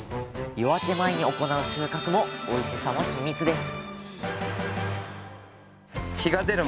夜明け前に行う収穫もおいしさのヒミツです